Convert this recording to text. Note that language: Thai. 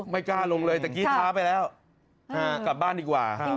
กลับบ้านลงเลยตะกี้ท้าไปแล้วกลับบ้านดีกว่าครับ